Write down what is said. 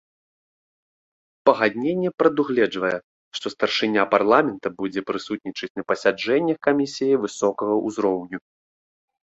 Пагадненне прадугледжвае, што старшыня парламента будзе прысутнічаць на пасяджэннях камісіі высокага ўзроўню.